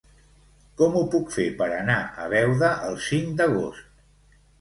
Com ho puc fer per anar a Beuda el cinc d'agost?